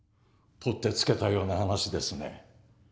取って付けたような話ですね。